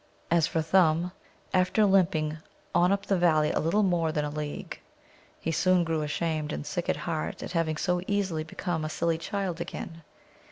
As for Thumb, after limping on up the valley a little more than a league, he soon grew ashamed and sick at heart at having so easily become a silly child again.